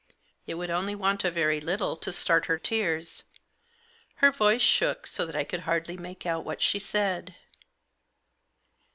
It would only want a very little to start her tears. Her voice shook so that I could hardly make out what she said.